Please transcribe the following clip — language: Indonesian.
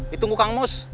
ditunggu kang mus